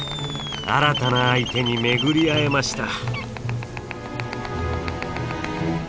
新たな相手に巡り合えました。